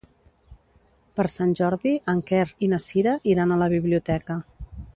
Per Sant Jordi en Quer i na Cira iran a la biblioteca.